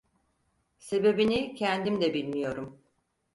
Sebebini kendim de bilmiyorum…